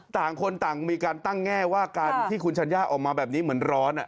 ต่างคนต่างมีการตั้งแง่ว่าการที่คุณชัญญาออกมาแบบนี้เหมือนร้อน